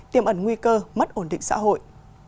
tiêm ẩn nguy cơ mất ổn định xã hội